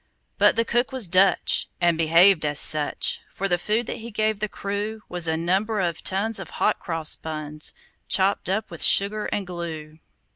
But the cook was Dutch, and behaved as such; For the food that he gave the crew Was a number of tons of hot cross buns, Chopped up with sugar and glue.